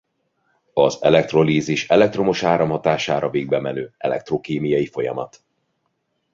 Az elektrolízis elektromos áram hatására végbemenő elektrokémiai folyamat.